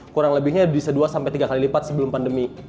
kurang lebihnya bisa dua sampai tiga kali lipat sebelum pandemi